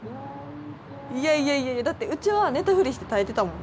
いやいやいやいやだってうちは寝たふりして耐えてたもん。